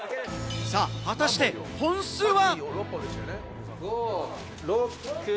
さあ果たして、本数は？